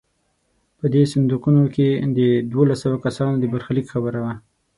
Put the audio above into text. په دې صندوقونو کې د دولس سوه کسانو د برخلیک خبره وه.